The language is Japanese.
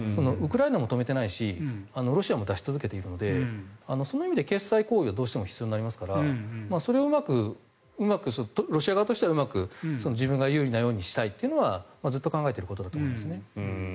ウクライナも止めてないしロシアも出し続けているのでその意味で決済行為はどうしても必要になりますからそれをロシア側としてはうまく自分が有利なようにしたいというのはずっと考えていることだと思います。